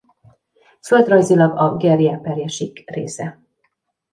Földrajzilag a Gerje–Perje-sík része.